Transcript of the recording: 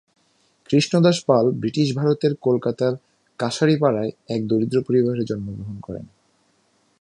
Krishnadas Pal British ভারতের কলকাতার কাঁসারিপাড়ায় এক দরিদ্র পরিবারে জন্ম গ্রহণ করেন।